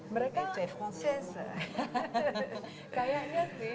mereka kayaknya sih